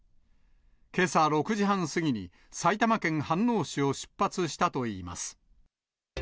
けさ６時半過ぎに埼玉県飯能市を出発したといいます。